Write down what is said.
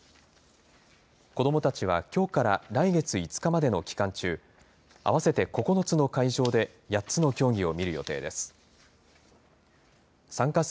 子どもたちはきょうから来月５日までの期間中、合わせて９つの会場で８つの競技を見る予定です。